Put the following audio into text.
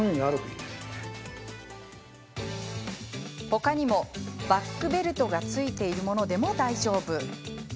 ほかにも、バックベルトがついているものでも大丈夫。